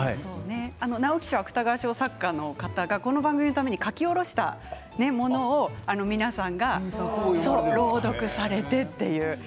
直木賞、芥川賞作家の方がこの番組のために書き下ろしたものを皆さんが朗読されてという。